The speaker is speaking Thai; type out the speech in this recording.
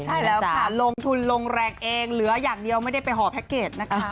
ใช่แล้วค่ะลงทุนลงแรงเองเหลืออย่างเดียวไม่ได้ไปห่อแพ็คเกจนะคะ